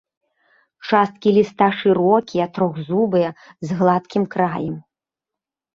Часткі ліста шырокія, трохзубыя, з гладкім краем.